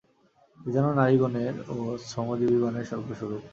এ যেন নারীগণের ও শ্রমজীবিগণের স্বর্গস্বরূপ।